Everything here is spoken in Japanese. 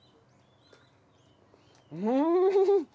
うん！